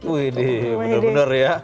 wih benar benar ya